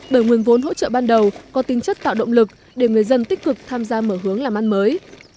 bởi nguồn vốn hỗ trợ ban đầu có tính chất tạo động lực để người dân tích cực tham gia mở hướng làm ăn mới